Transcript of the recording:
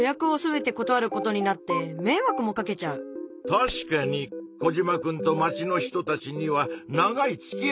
確かにコジマくんと町の人たちには長いつきあいがある。